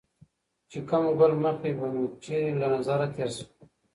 چي کوم ګل مخى به مي چيري له تظره تېر سو